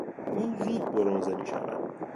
او زود برنزه میشود.